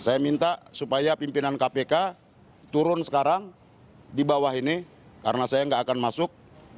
saya minta supaya pimpinan kpk turun sekarang di bawah ini karena saya nggak akan masuk